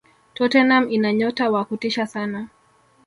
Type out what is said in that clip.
tottenham ina nyota wa kutisha sana